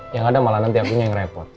ya nggak ada malah nanti akunya yang repot